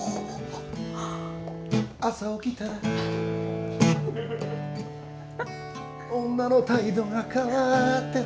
「朝起きたら」「女の態度が変わってた」